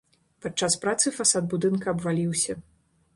Падчас працы фасад будынка абваліўся.